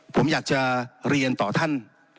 ผมอยากจะเรียนต่อท่าน